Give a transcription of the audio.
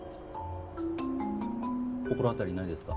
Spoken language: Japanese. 心当たりないですか？